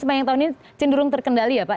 sepanjang tahun ini cenderung terkendali ya pak